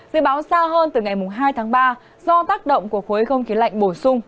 dự báo xa hơn từ ngày hai tháng ba do tác động của khối không khí lạnh bổ sung